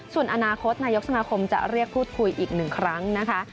ส่วนอนาคตนายกสมาคมจะเรียกพูดคุยอีกหนึ่งครั้งนะคะ